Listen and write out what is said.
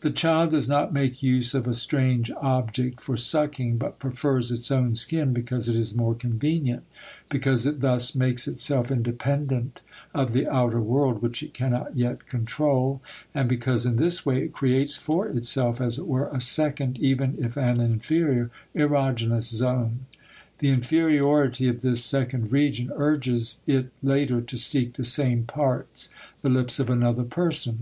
The child does not make use of a strange object for sucking but prefers its own skin because it is more convenient, because it thus makes itself independent of the outer world which it cannot yet control, and because in this way it creates for itself, as it were, a second, even if an inferior, erogenous zone. The inferiority of this second region urges it later to seek the same parts, the lips of another person.